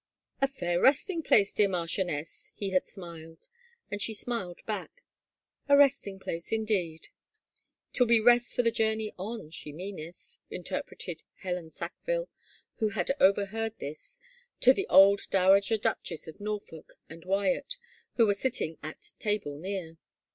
"A fair resting place, dear marchioness," he had smiled, and she smiled back, " A resting place, indeed." " Twill be rest for the journey on, she meaneth," interpreted Helen Sackville, who had overheard this, to the old Dowager Duchess of Norfolk and Wyatt, who were sitting at table near.